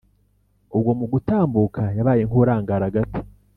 ubwo mugutambuka yabaye nk’urangara gato